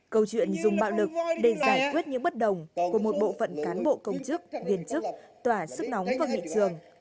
câu chuyện dùng bạo lực để giải quyết những bất đồng của một bộ phận cán bộ công chức viên chức tỏa sức nóng vào nghị trường